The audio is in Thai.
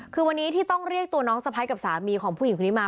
คือวันนี้ที่ต้องเรียกตัวน้องสะพ้ายกับสามีของผู้หญิงคนนี้มา